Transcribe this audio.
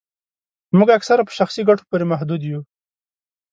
موږ اکثره په شخصي ګټو پوري محدود یو